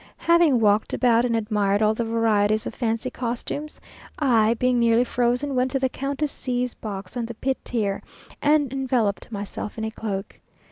Having walked about, and admired all the varieties of fancy costumes, I, being nearly frozen, went to the Countess C a's box on the pit tier, and enveloped myself in a cloak.